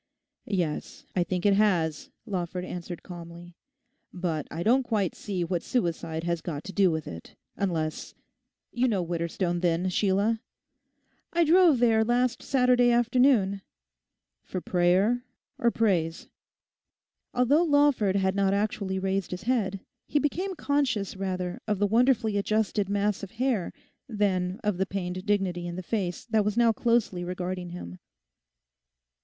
'Yes, I think it has,' Lawford answered calmly. 'But I don't quite see what suicide has got to do with it; unless—You know Widderstone, then, Sheila?' 'I drove there last Saturday afternoon.' 'For prayer or praise?' Although Lawford had not actually raised his head, he became conscious rather of the wonderfully adjusted mass of hair than of the pained dignity in the face that was now closely regarding him.